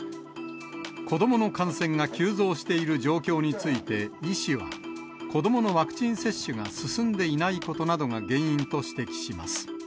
子どもの感染が急増している状況について、医師は、子どものワクチン接種が進んでいないことなどが原因と指摘します。